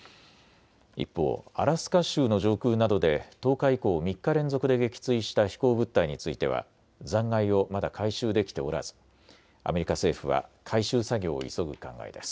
一方、アラスカ州の上空などで１０日以降、３日連続で撃墜した飛行物体については残骸をまだ回収できておらずアメリカ政府は回収作業を急ぐ考えです。